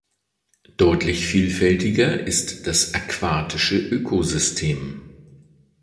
Deutlich vielfältiger ist das aquatische Ökosystem.